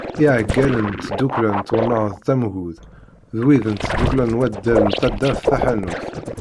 I Iɛeggalen n tddukkla n twennaḍt Amgud d wid n tdukkla n waddal n taddart Taḥanut.